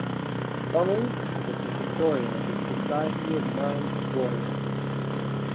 Donald was the historian of the Society of Mines Royal.